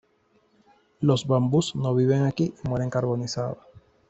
Los Bambús no viven aquí y mueren carbonizados.